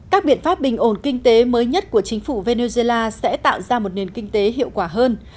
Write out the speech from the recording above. các biện pháp bình ổn kinh tế mới nhất của chính phủ venezuela sẽ tạo ra một nền kinh tế hiệu quả hơn